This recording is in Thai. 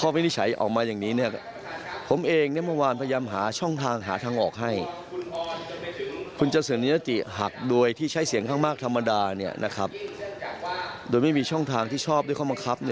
เมื่อมันออกมาอย่างนั้นเนี่ยมันก็ต้องยอมรับ